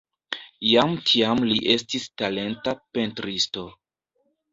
Jam tiam li estis talenta pentristo.